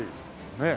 ねえ？